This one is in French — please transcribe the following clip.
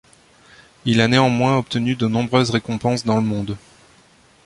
Il a néanmoins obtenu de nombreuses récompenses dans le monde.